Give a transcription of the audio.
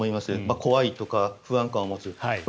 怖いとか不安感を持つとか。